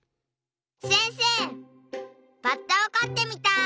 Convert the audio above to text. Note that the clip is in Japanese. せんせいバッタをかってみたい！